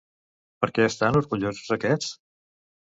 Per què estan orgullosos aquests?